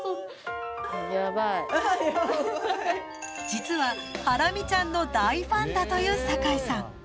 実はハラミちゃんの大ファンだという酒井さん。